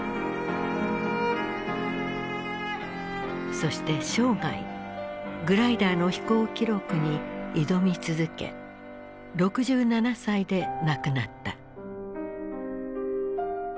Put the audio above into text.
そして生涯グライダーの飛行記録に挑み続け６７歳で亡くなった。